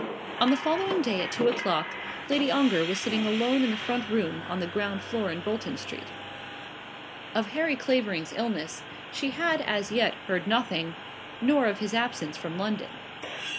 On the following day at two o'clock Lady Ongar was sitting alone in the front room on the ground floor in Bolton Street. Of Harry Clavering's illness she had as yet heard nothing, nor of his absence from London.